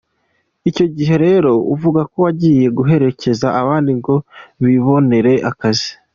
Icyo gihe rero uvuga ko wagiye guherekeza abandi ngo bibonere akazi.